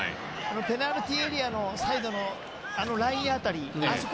ペナルティーエリアのサイドライン辺り。